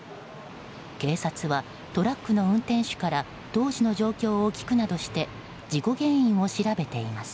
警察は、トラックの運転手から当時の状況を聞くなどして事故原因を調べています。